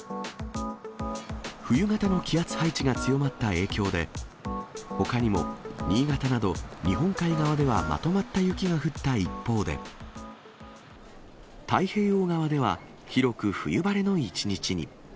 冬型の気圧配置が強まった影響で、ほかにも新潟など、日本海側ではまとまった雪が降った一方で、太平洋側では、広く冬晴れの一日に。